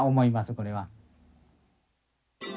これは。